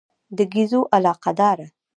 د ګېزو علاقه داره.